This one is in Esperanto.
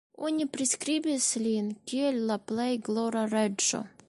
Oni priskribis lin kiel la plej glora reĝo.